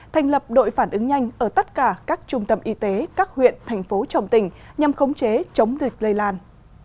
thành lập đội phản ứng nhanh ở tất cả các trung tâm y tế các huyện thành phố trong tỉnh nhằm khống chế chống dịch lây lan